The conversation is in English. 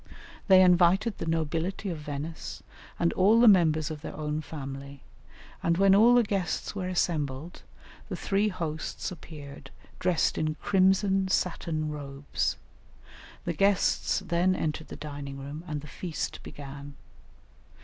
They invited the nobility of Venice and all the members of their own family, and when all the guests were assembled the three hosts appeared dressed in crimson satin robes; the guests then entered the dining room, and the feast began.